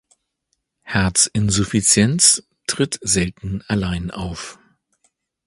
Herzinsuffizienz tritt selten allein auf.